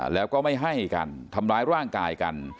แล้วก็ไม่ให้กันทำร้ายร่างกายกัน